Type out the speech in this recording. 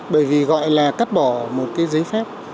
bởi vì gọi là cắt bỏ một giấy phép